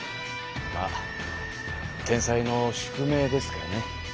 まあ天才の宿命ですかね。